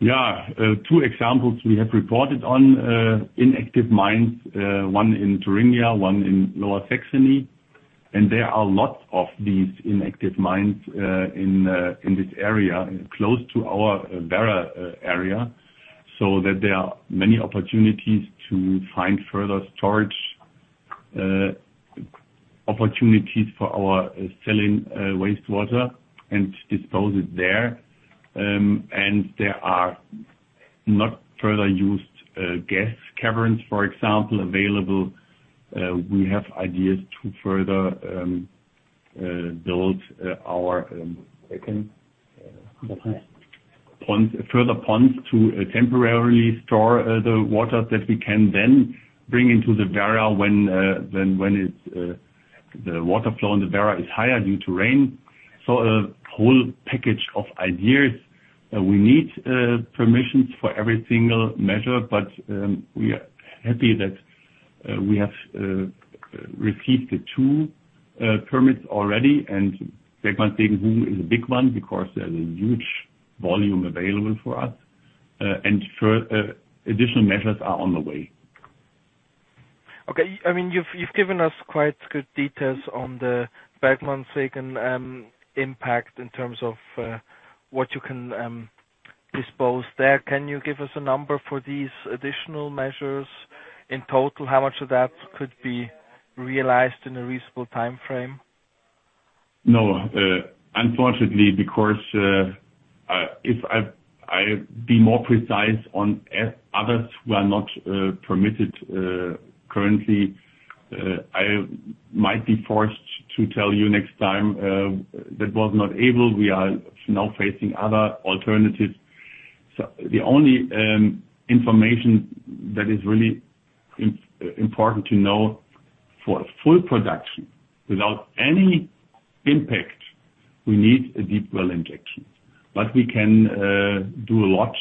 Yeah. Two examples we have reported on inactive mines, one in Thuringia, one in Lower Saxony. There are lots of these inactive mines in this area, close to our Werra area, so that there are many opportunities to find further storage opportunities for our saline wastewater and dispose it there. There are not further used gas caverns, for example, available. We have ideas to further build. They can. Further ponds to temporarily store the water that we can then bring into the Werra when the water flow in the Werra is higher due to rain. A whole package of ideas. We need permissions for every single measure, we are happy that we have received the two permits already. Bergwerk Segeln is a big one because there's a huge volume available for us. Additional measures are on the way. Okay. You've given us quite good details on the Bergmannssegen impact in terms of what you can dispose there. Can you give us a number for these additional measures? In total, how much of that could be realized in a reasonable timeframe? No. Unfortunately, because If I be more precise on others who are not permitted currently, I might be forced to tell you next time we are now facing other alternatives. The only information that is really important to know for a full production without any impact, we need a deep well injection. We can do a lot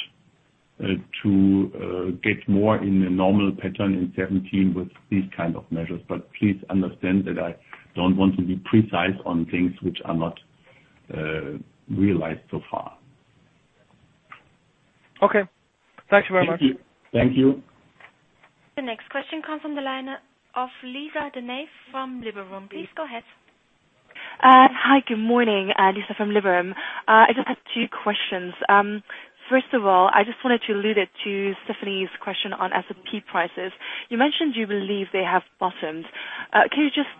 to get more in a normal pattern in 2017 with these kind of measures. Please understand that I don't want to be precise on things which are not realized so far. Okay. Thanks very much. Thank you. The next question comes from the line of Lisa De Neve from Liberum. Please go ahead. Hi, good morning. Lisa from Liberum. I just have two questions. First of all, I just wanted to allude it to Stephanie's question on SOP prices. You mentioned you believe they have bottomed. Can you just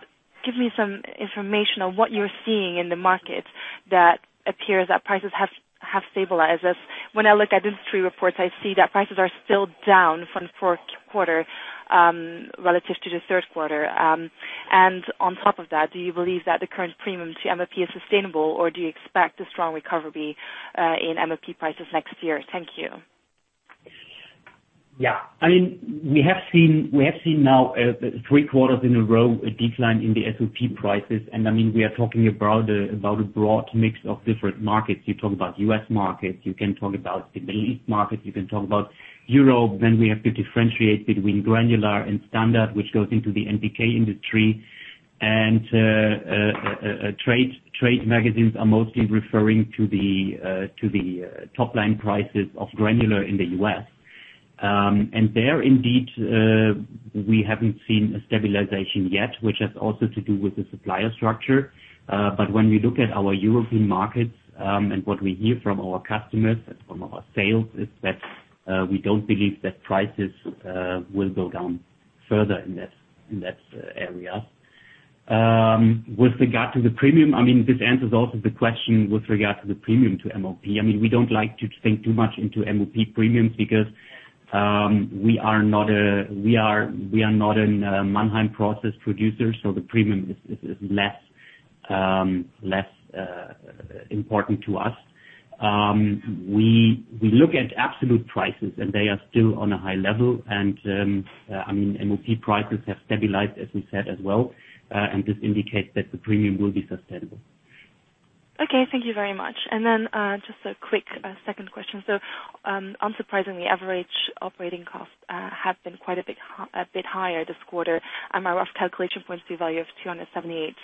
give me some information on what you're seeing in the market that appears that prices have stabilized? As when I look at industry reports, I see that prices are still down from the fourth quarter, relative to the third quarter. On top of that, do you believe that the current premium to MOP is sustainable, or do you expect a strong recovery in MOP prices next year? Thank you. We have seen now, three quarters in a row, a decline in the SOP prices. We are talking about a broad mix of different markets. You talk about U.S. markets, you can talk about the Middle East markets, you can talk about Europe. Then we have to differentiate between granular and standard, which goes into the NPK industry. Trade magazines are mostly referring to the top line prices of granular in the U.S. There indeed, we haven't seen a stabilization yet, which has also to do with the supplier structure. When we look at our European markets, and what we hear from our customers and from our sales is that, we don't believe that prices will go down further in that area. With regard to the premium, this answers also the question with regard to the premium to MOP. We don't like to think too much into MOP premiums because we are not a Mannheim process producer, the premium is less important to us. We look at absolute prices, they are still on a high level. MOP prices have stabilized, as we said, as well. This indicates that the premium will be sustainable. Okay, thank you very much. Then, just a quick second question. Unsurprisingly, average operating costs have been quite a bit higher this quarter. My rough calculation points to a value of 278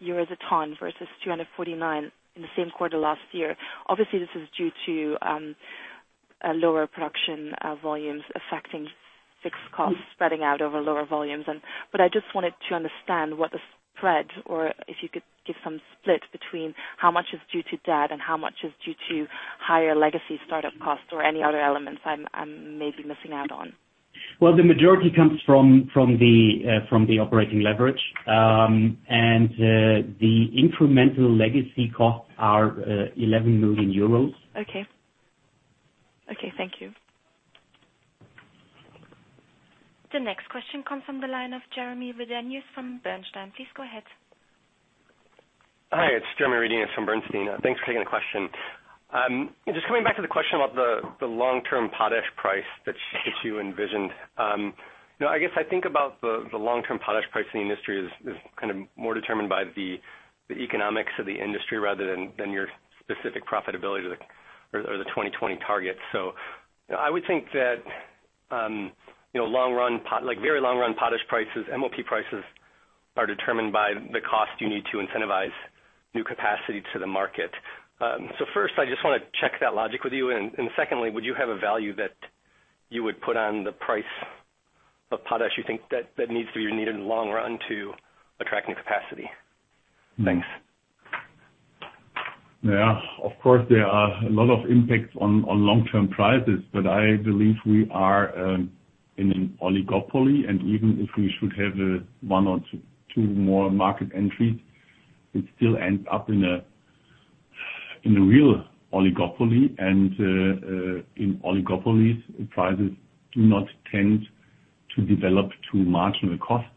euros a ton versus 249 in the same quarter last year. Obviously, this is due to lower production volumes affecting fixed costs spreading out over lower volumes. I just wanted to understand what the spread, or if you could give some split between how much is due to that and how much is due to higher Legacy startup costs or any other elements I'm maybe missing out on. Well, the majority comes from the operating leverage. The incremental Legacy costs are 11 million euros. Okay. Thank you. The next question comes from the line of Jeremy Redenius from Bernstein. Please go ahead. Hi, it's Jeremy Redenius from Bernstein. Thanks for taking the question. Just coming back to the question about the long-term potash price that you envisioned. I guess I think about the long-term potash price in the industry is kind of more determined by the economics of the industry rather than your specific profitability or the 2020 targets. I would think that very long run potash prices, MOP prices, are determined by the cost you need to incentivize new capacity to the market. First, I just want to check that logic with you. Secondly, would you have a value that you would put on the price of potash you think that needs to be needed in the long run to attract new capacity? Thanks. Yeah. Of course, there are a lot of impacts on long-term prices, but I believe we are in an oligopoly, and even if we should have one or two more market entries, it still ends up in a real oligopoly. In oligopolies, prices do not tend to develop to marginal costs.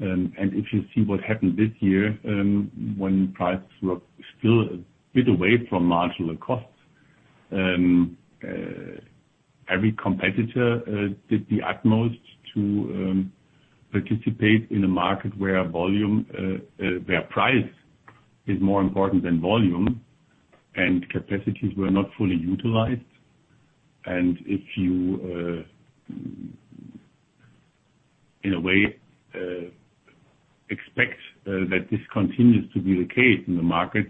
If you see what happened this year, when prices were still a bit away from marginal costs, every competitor did the utmost to participate in a market where price is more important than volume, and capacities were not fully utilized. If you, in a way, expect that this continues to be the case in the market,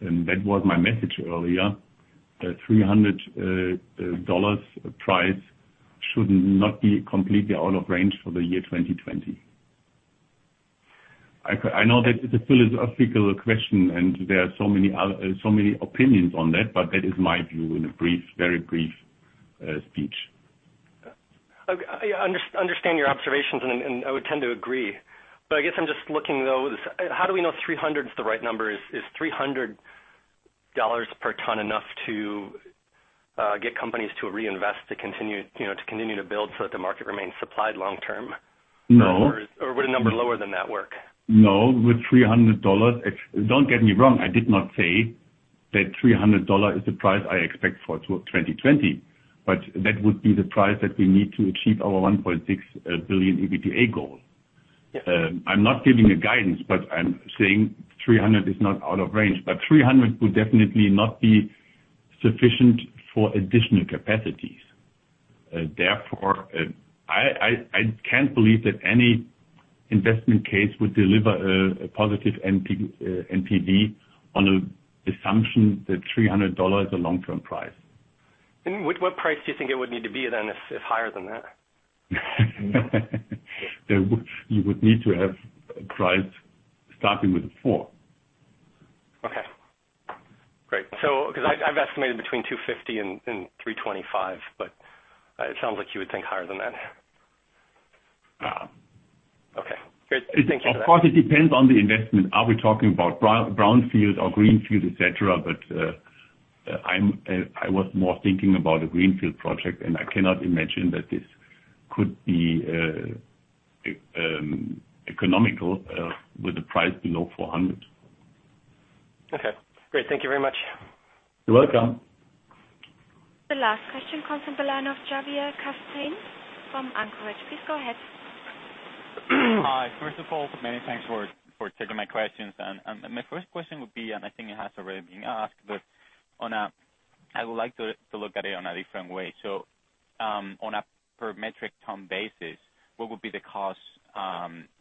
and that was my message earlier, that EUR 300 price should not be completely out of range for the year 2020. I know that it's a philosophical question, and there are so many opinions on that, but that is my view in a very brief speech. I understand your observations and I would tend to agree. I guess I'm just looking, though, how do we know 300 is the right number? Is EUR 300 per ton enough to get companies to reinvest, to continue to build so that the market remains supplied long-term? No. Would a number lower than that work? No, with EUR 300. Don't get me wrong, I did not say that EUR 300 is the price I expect for 2020, but that would be the price that we need to achieve our 1.6 billion EBITDA goal. Yes. I'm not giving a guidance, but I'm saying 300 is not out of range. 300 would definitely not be sufficient for additional capacities. Therefore, I can't believe that any investment case would deliver a positive NPV on the assumption that EUR 300 is a long-term price. What price do you think it would need to be then, if higher than that? You would need to have a price starting with a four. Okay. Great. Because I've estimated between 250-325, but it sounds like you would think higher than that. Yeah. Okay. Great. Thank you for that. Of course, it depends on the investment. Are we talking about brownfield or greenfield, et cetera? I was more thinking about a greenfield project. I cannot imagine that this could be economical with the price below 400. Okay, great. Thank you very much. You're welcome. The last question comes from the line of Javier Castan from Anchorage. Please go ahead. Hi. First of all, many thanks for taking my questions. My first question would be, I think it has already been asked, I would like to look at it on a different way. On a per metric ton basis, what would be the cost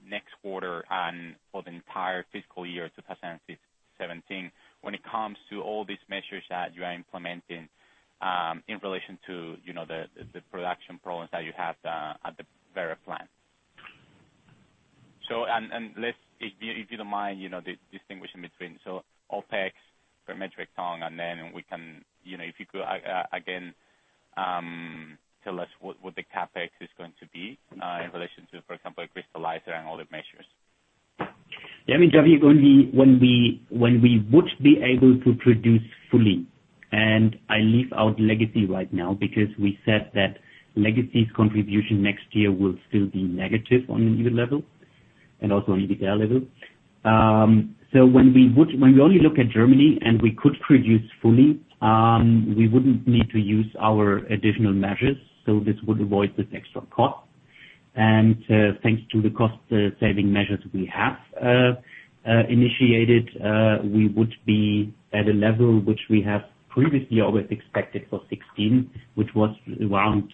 next quarter and for the entire fiscal year 2017 when it comes to all these measures that you are implementing, in relation to the production problems that you have at the Werra plant? If you don't mind, distinguishing between, OpEx per metric ton, and then if you could, again, tell us what the CapEx is going to be, in relation to, for example, crystallizer and other measures. I mean, Javier, when we would be able to produce fully, I leave out Legacy right now because we said that Legacy's contribution next year will still be negative on an EBIT level and also on EBITDA level. When we only look at Germany and we could produce fully, we wouldn't need to use our additional measures, this would avoid this extra cost. Thanks to the cost-saving measures we have initiated, we would be at a level which we have previously always expected for 2016, which was around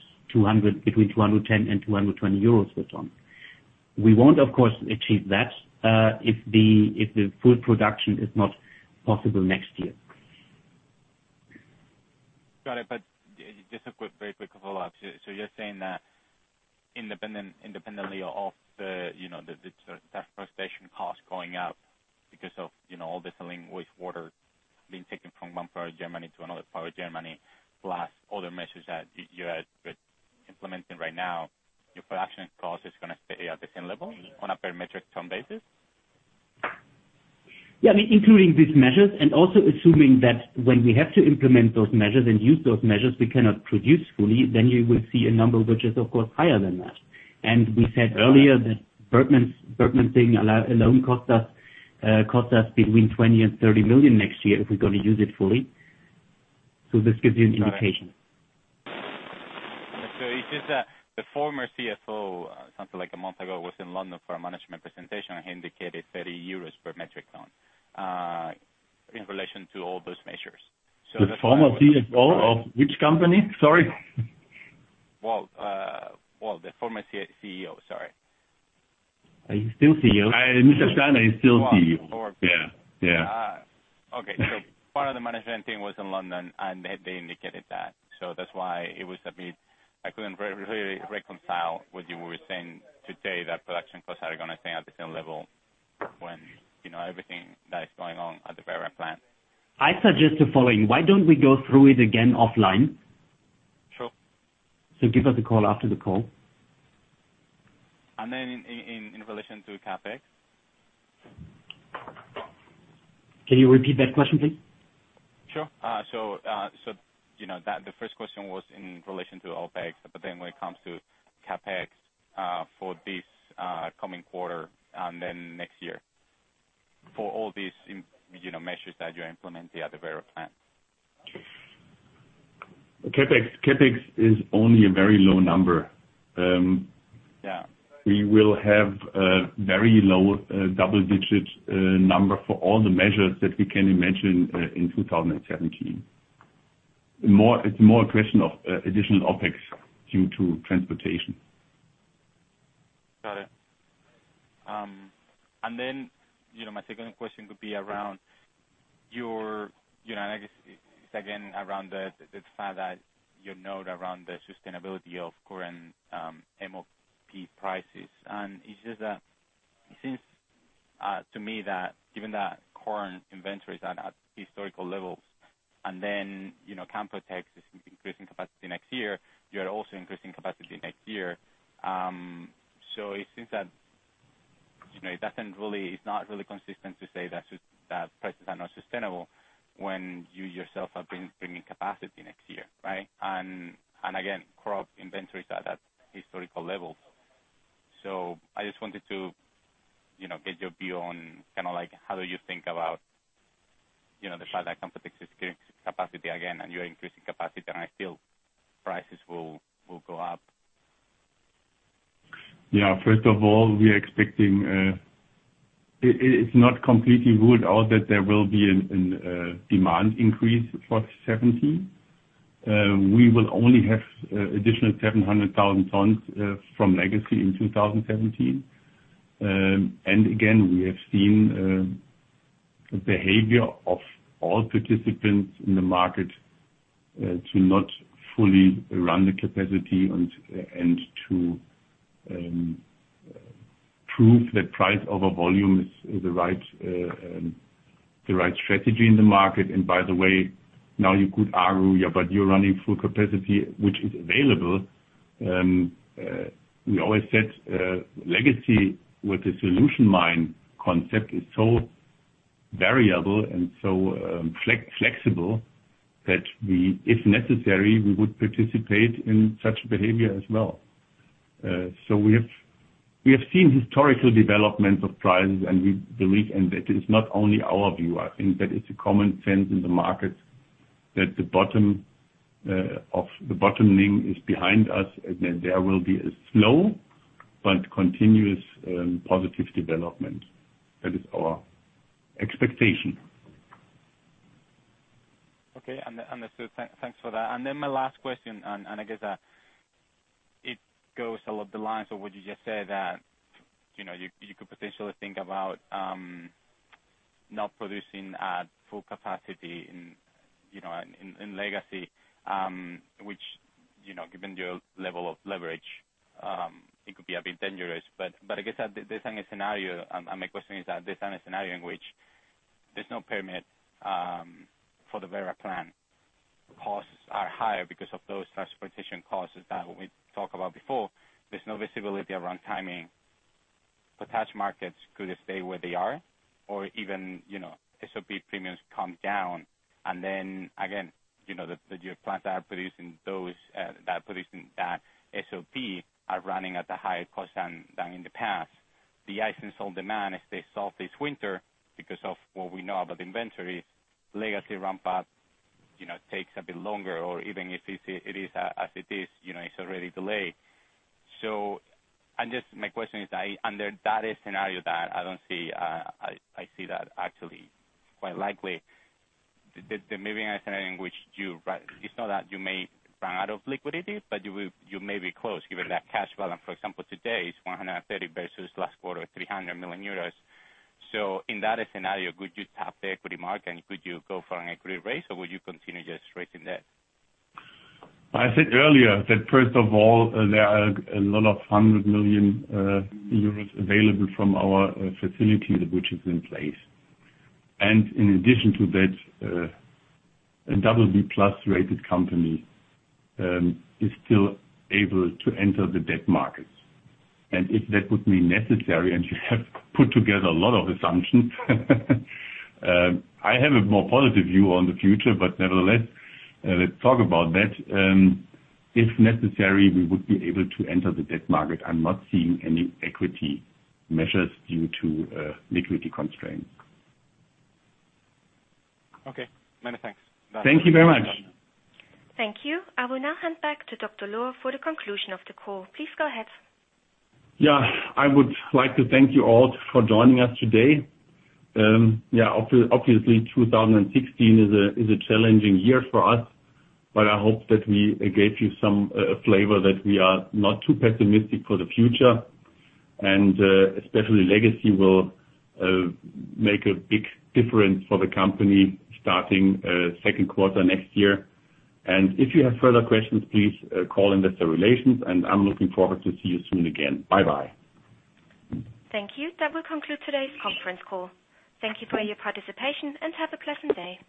between 210 and 220 euros per ton. We won't, of course, achieve that, if the full production is not possible next year. Got it. Just a very quick follow-up. You're saying that independently of the transportation cost going up because of all the saline wastewater being taken from one part of Germany to another part of Germany, plus other measures that you are implementing right now, your production cost is going to stay at the same level on a per metric ton basis? Yeah. I mean, including these measures and also assuming that when we have to implement those measures and use those measures, we cannot produce fully, then you will see a number which is of course higher than that. We said earlier that Bergmannssegen alone cost us between 20 million and 30 million next year if we're going to use it fully. This gives you an indication. Got it. It's just that the former CFO, something like a month ago, was in London for a management presentation, and he indicated 30 euros per metric ton, in relation to all those measures. That's why. The former CFO of which company? Sorry. Well, the former CEO, sorry. He is still CEO. Mr. Steiner is still CEO. Well. Yeah. Okay. Part of the management team was in London, and they indicated that. That is why I couldn't really reconcile what you were saying today, that production costs are going to stay at the same level when everything that is going on at the Werra plant. I suggest the following. Why don't we go through it again offline? Sure. Give us a call after the call. In relation to CapEx? Can you repeat that question, please? Sure. The first question was in relation to OpEx, when it comes to CapEx, for this coming quarter and then next year, for all these measures that you're implementing at the Werra plant. CapEx is only a very low number. Yeah. We will have a very low double-digit number for all the measures that we can imagine in 2017. It's more a question of additional OpEx due to transportation. Got it. My second question would be around the fact that you note around the sustainability of current MOP prices. It's just that, to me, given that current inventories are at historical levels, Canpotex is increasing capacity next year, you are also increasing capacity next year. It seems it's not really consistent to say that prices are not sustainable when you yourself have been bringing capacity next year, right? Again, crop inventories are at historical levels. I just wanted to get your view on how you think about the fact that Canpotex is getting capacity again, and you're increasing capacity, and I feel prices will go up. Yeah. First of all, we are expecting. It's not completely ruled out that there will be a demand increase for 2017. We will only have additional 700,000 tons from Legacy in 2017. Again, we have seen behavior of all participants in the market to not fully run the capacity and to prove that price over volume is the right strategy in the market. By the way, now you could argue, "Yeah, but you're running full capacity," which is available. We always said Legacy with the solution mine concept is so variable and so flexible that if necessary, we would participate in such behavior as well. We have seen historical developments of prices, and we believe, and that is not only our view, I think that it's a common sense in the market, that the bottom of the bottoming is behind us, and then there will be a slow but continuous positive development. That is our expectation. Okay. Understood. Thanks for that. My last question, and I guess it goes along the lines of what you just said, that you could potentially think about not producing at full capacity in Legacy, which, given your level of leverage, it could be a bit dangerous. I guess, designing a scenario, and my question is that design a scenario in which there's no permit for the Werra plant. Costs are higher because of those transportation costs that we talked about before. There's no visibility around timing. Attached markets could stay where they are or even SOP premiums come down. Again, your plants that are producing that SOP are running at a higher cost than in the past. De-icing salt demand, if they solve this winter because of what we know about inventory, Legacy ramp-up takes a bit longer. Even if it is as it is, it's already delayed. My question is, under that scenario that I see that actually quite likely, the maybe scenario in which it's not that you may run out of liquidity, but you may be close given that cash balance. For example, today it's 130 versus last quarter, 300 million euros. In that scenario, would you tap the equity market? Could you go for an equity raise, or would you continue just raising debt? I said earlier that first of all, there are a lot of 100 million euros available from our facility, which is in place. In addition to that, a double B-plus rated company is still able to enter the debt markets. If that would be necessary, and you have put together a lot of assumptions. I have a more positive view on the future, nevertheless, let's talk about that. If necessary, we would be able to enter the debt market. I'm not seeing any equity measures due to liquidity constraints. Okay. Many thanks. Thank you very much. Thank you. I will now hand back to Dr. Lohr for the conclusion of the call. Please go ahead. I would like to thank you all for joining us today. Obviously, 2016 is a challenging year for us, but I hope that we gave you some flavor that we are not too pessimistic for the future. Especially Legacy will make a big difference for the company starting second quarter next year. If you have further questions, please call investor relations, and I'm looking forward to see you soon again. Bye-bye. Thank you. That will conclude today's conference call. Thank you for your participation, and have a pleasant day.